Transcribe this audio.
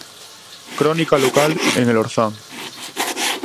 "Crónica local" en El Orzán.